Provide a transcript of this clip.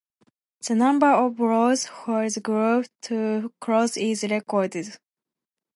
The number of blows for the groove to close is recorded.